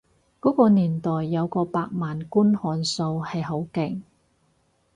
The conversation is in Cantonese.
嗰個年代有過百萬觀看數係好勁